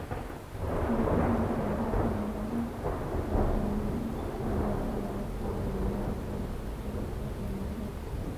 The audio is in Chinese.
今次终极淘汰战要选手以喜悦和佻皮的一面配合自身有个性的猫步。